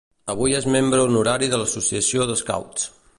Avui és membre honorari de l'Associació d'Scouts.